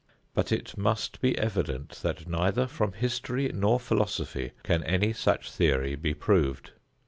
But it must be evident that neither from history nor philosophy can any such theory be proved.